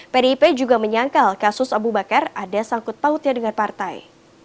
pdip juga menyangkal kasus abu bakar ada sangkut pautnya dengan partai